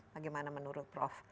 bagaimana menurut prof